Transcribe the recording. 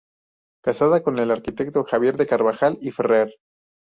Casada con el arquitecto Javier de Carvajal y Ferrer.